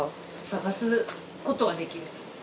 探すことはできる。